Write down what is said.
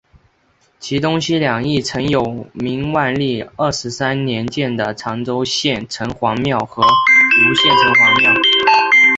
其东西两翼曾有明万历二十三年建的长洲县城隍庙和吴县城隍庙。